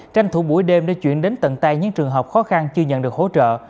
tranh thủ buổi đêm để chuyển đến tận tay những trường hợp khó khăn chưa nhận được hỗ trợ